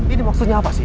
ini maksudnya apa sih